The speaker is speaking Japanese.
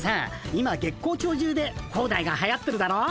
今月光町中でホーダイがはやってるだろ？